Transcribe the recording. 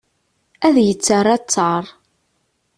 Ad yettarra ttaṛ.